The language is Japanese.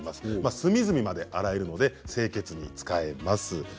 隅々まで洗えるので清潔に使えます。